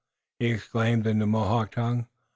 he exclaimed in the Mohawk tongue.